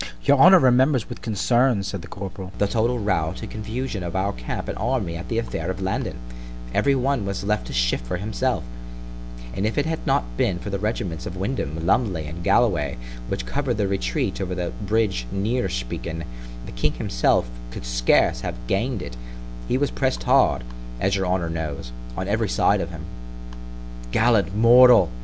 _ Your honour remembers with concern, said the corporal, the total rout and confusion of our camp and army at the affair of Landen; every one was left to shift for himself; and if it had not been for the regiments of Wyndham, Lumley, and Galway, which covered the retreat over the bridge Neerspeeken, the king himself could scarce have gained it——he was press'd hard, as your honour knows, on every side of him—— Gallant mortal!